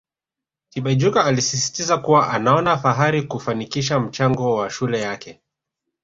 Tibaijuka alisisitiza kuwa anaona fahari kufanikisha mchango wa shule yake